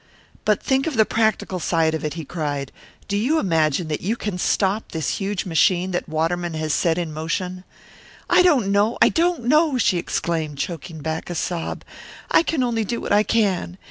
"But think of the practical side of it!" he cried. "Do you imagine that you can stop this huge machine that Waterman has set in motion?" "I don't know, I don't know!" she exclaimed, choking back a sob. "I can only do what I can.